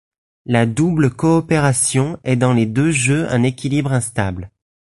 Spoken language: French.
La double coopération est dans les deux jeux un équilibre instable.